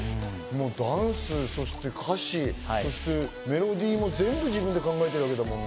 ダンス、そして歌詞、メロディーも全部自分で考えてるわけだもんね。